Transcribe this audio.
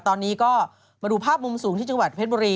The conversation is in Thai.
ตอนนี้ก็มาดูภาพมุมสูงที่จังหวัดเพชรบุรี